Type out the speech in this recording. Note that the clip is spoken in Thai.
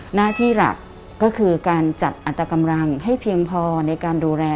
หน้าที่หลักก็คือการจัดอัตกำลังให้เพียงพอในการดูแล